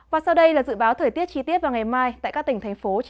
và sau đây hãy đăng ký kênh để nhận thông tin nhất